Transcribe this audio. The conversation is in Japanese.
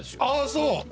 ああそう！